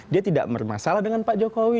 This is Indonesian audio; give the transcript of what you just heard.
dia tidak bermasalah dengan pak jokowi